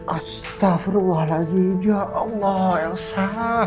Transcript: astagfirullahaladzim ya allah elsa